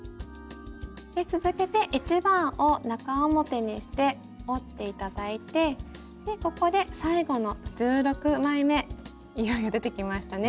続けて１番を中表にして折って頂いてここで最後の１６枚めいよいよ出てきましたね。